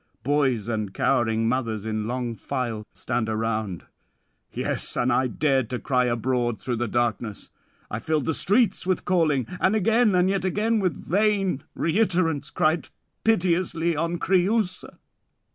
Boys and cowering mothers in long file stand round. ... Yes, and I dared to cry abroad through the darkness; I filled the streets with calling, and again and yet again with vain reiterance cried piteously on Creüsa.